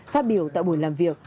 phát biểu tại buổi làm việc